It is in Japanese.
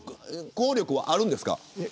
効力はあるんですか。